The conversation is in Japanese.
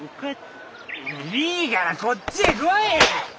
いいからこっちへ来い！